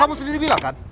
kamu sendiri bilang kan